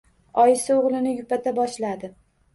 Oyisi o‘g‘lini yupata boshladi